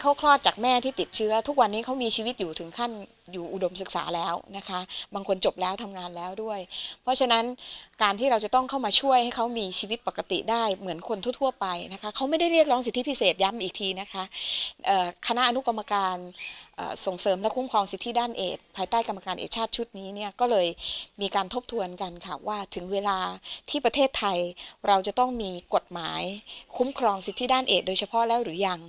คลอดจากแม่ที่ติดเชื้อทุกวันนี้เขามีชีวิตอยู่ถึงขั้นอยู่อุดมศึกษาแล้วนะคะบางคนจบแล้วทำงานแล้วด้วยเพราะฉะนั้นการที่เราจะต้องเข้ามาช่วยให้เขามีชีวิตปกติได้เหมือนคนทั่วไปนะคะเขาไม่ได้เรียกร้องสิทธิพิเศษย้ำอีกทีนะคะคณะอนุกรรมการส่งเสริมและคุ้มครองสิทธิด้านเอกภายใต้กรรมการเอกชาติชุ